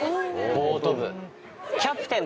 ボート部。